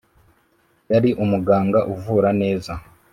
yari umuganga uvura neza